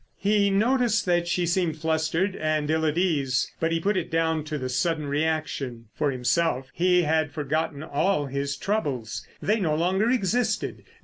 He noticed that she seemed flustered and ill at ease, but he put it down to the sudden reaction. For himself he had forgotten all his troubles. They no longer existed.